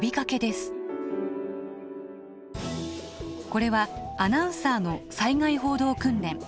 これはアナウンサーの災害報道訓練。